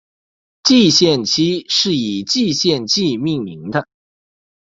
蓟县期是以蓟县纪命名的。